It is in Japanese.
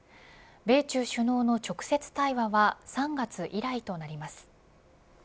米中首脳の直接対話は３月以来となります。